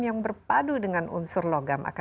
ya logam identik emas juga sih mbak